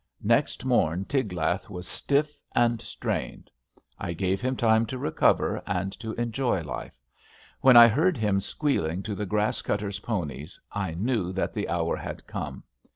Next mom Tiglath was stiff and strained. I gave him time to recover and to enjoy life. When I heard him squealing to the grass cutter's ponies I knew that the hour had come.